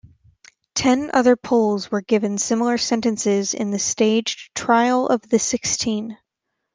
Ten other Poles were given similar sentences in the staged Trial of the Sixteen.